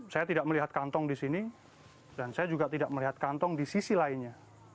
saya tidak melihat kantong di sini dan saya juga tidak melihat kantong di sisi lainnya